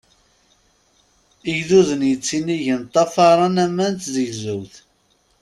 Igduden yettinigen ṭṭafaṛen aman d tzegzewt.